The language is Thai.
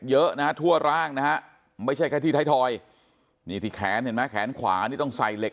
เยอะนะทั่วร้างนะไม่ใช่ค่ะที่ไทยทอยที่แขนขวาต้องใส่เหล็ก